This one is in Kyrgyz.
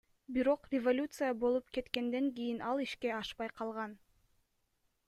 Бирок революция болуп кеткенден кийин ал ишке ашпай калган.